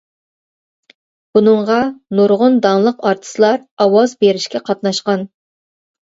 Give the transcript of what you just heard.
بۇنىڭغا نۇرغۇن داڭلىق ئارتىسلار ئاۋاز بېرىشكە قاتناشقان.